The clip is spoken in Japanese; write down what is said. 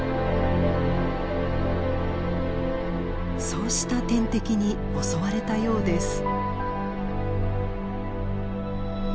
そうした天敵に襲われたようです。